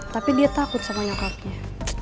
tapi dia takut sama nyokapnya